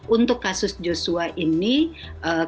untuk kasus joshua ini kami tidak menggunakan